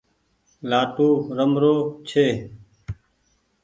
لآٽون رمرو ڇي۔